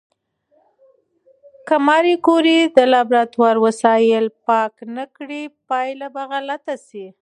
که ماري کوري د لابراتوار وسایل پاک نه کړي، پایله به غلطه شي.